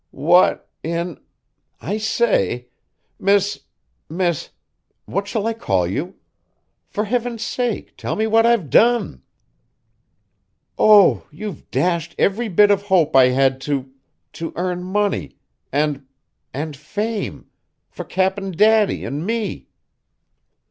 "What in I say! Miss Miss What shall I call you? For heaven's sake, tell me what I've done?" "Oh! you've dashed every bit of hope I had to to earn money and and fame for Cap'n Daddy and me!"